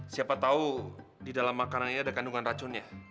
siapa tahu di dalam makanan ini ada kandungan racunnya